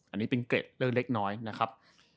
อันนี้เป็นเกร็ดเรื่องเล็กน้อยนะครับ